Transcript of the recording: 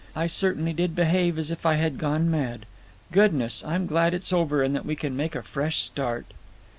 I certainly did behave as if I had gone mad. Goodness! I'm glad it's over and that we can make a fresh start."